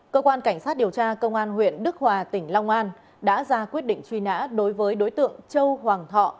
cơ quan cảnh sát điều tra công an huyện đức hòa tỉnh long an đã ra quyết định truy nã đối với đối tượng châu hoàng thọ